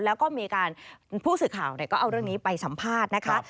แล้วก็มีการผู้สื่อข่าวก็เอาเรื่องนี้ไปสัมภาษณ์นะคะ